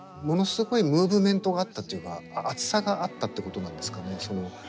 ものすごいムーブメントがあったっていうか熱さがあったってことなんですかね。